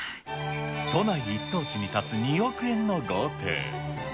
都内一等地に建つ２億円の豪邸。